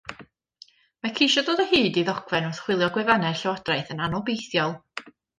Mae ceisio dod o hyd i ddogfen wrth chwilio gwefannau'r Llywodraeth yn anobeithiol.